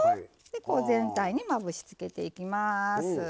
全体に、まぶしつけていきます。